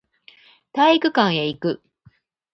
体育館へ行く